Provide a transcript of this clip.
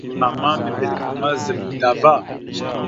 Ama membilge ma zal dava.